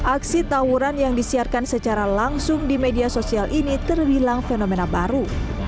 aksi tawuran yang disiarkan secara langsung di media sosial ini terbilang fenomena baru